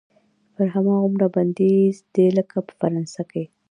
پرې هماغومره بندیز دی لکه په فرانسه کې.